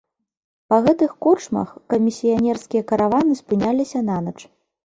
Па гэтых корчмах камісіянерскія караваны спыняліся нанач.